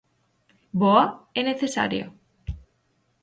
Boa e necesaria.